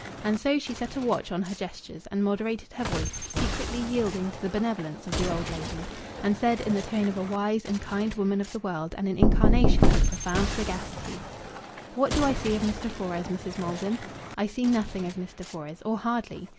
And so she set a watch on her gestures, and moderated her voice, secretly yielding to the benevolence of the old lady, and said, in the tone of a wise and kind woman of the world and an incarnation of profound sagacity "What do I see of Mr. Fores, Mrs. Maldon? I see nothing of Mr. Fores, or hardly.